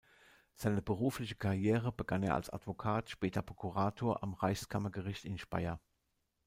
Seine berufliche Karriere begann er als Advokat, später Prokurator, am Reichskammergericht in Speyer.